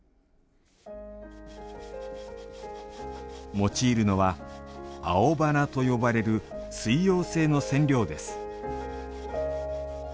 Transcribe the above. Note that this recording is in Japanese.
用いるのは「青花」と呼ばれる水溶性の染料です。